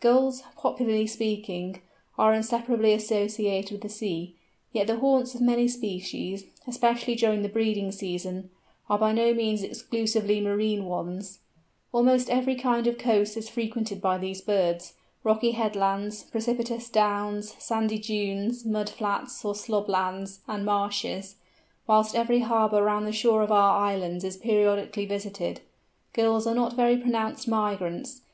Gulls, popularly speaking, are inseparably associated with the sea, yet the haunts of many species, especially during the breeding season, are by no means exclusively marine ones. Almost every kind of coast is frequented by these birds—rocky headlands, precipitous downs, sandy dunes, mud flats or slob lands, and marshes; whilst every harbour round the shore of our islands is periodically visited. Gulls are not very pronounced migrants.